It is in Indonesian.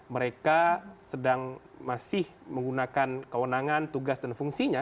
mereka sedang masih menggunakan kewenangan tugas dan fungsinya